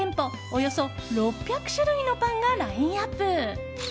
およそ６００種類のパンがラインアップ。